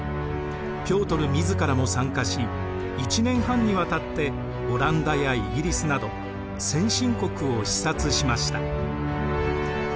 ピョートル自らも参加し１年半にわたってオランダやイギリスなど先進国を視察しました。